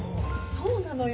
そうなのよ。